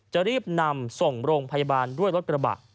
จะรีบนำส่งโรงพยาบาลด้วยรถกระบะ